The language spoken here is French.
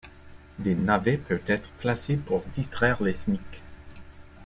Des navets peuvent être placés pour distraire les Smicks.